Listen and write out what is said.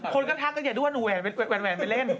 คนก็ทักก็อย่าด้วนหนูแหวนไปเล่น